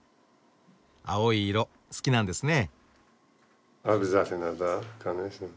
青い色好きなんですね。